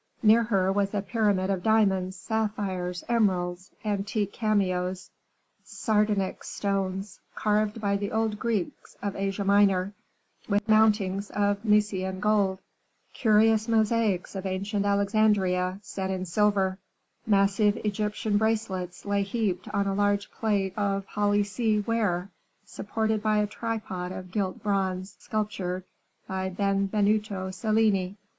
Near her was a pyramid of diamonds, sapphires, emeralds, antique cameos, sardonyx stones, carved by the old Greeks of Asia Minor, with mountings of Mysian gold; curious mosaics of ancient Alexandria, set in silver; massive Egyptian bracelets lay heaped on a large plate of Palissy ware, supported by a tripod of gilt bronze, sculptured by Benvenuto Cellini.